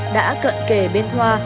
đã cận kề bên thoa